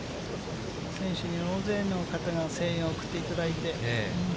選手に大勢の方が声援を送っていただいて。